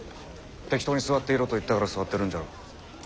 適当に座っていろと言ったから座ってるんじゃろ。